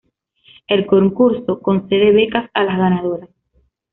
El concurso concede becas a las ganadoras.